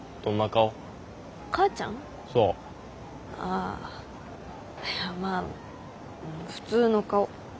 あいやまあ普通の顔。